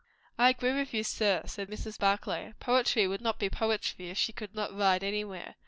"I agree with you, sir," said Mrs. Barclay. "Poetry would not be Poetry if she could not ride anywhere.